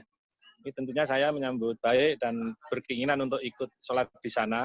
ini tentunya saya menyambut baik dan berkeinginan untuk ikut sholat di sana